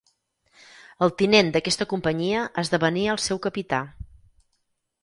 El tinent d'aquesta companyia esdevenia el seu capità.